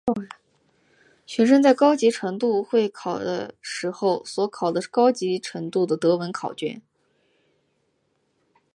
学生在高级程度会考的时候所考的是高级程度的德文考卷。